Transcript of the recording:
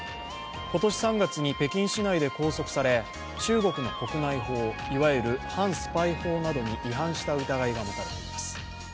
今年３月に北京市内で拘束され、中国の国内法いわゆる反スパイ法などに違反した疑いが持たれています。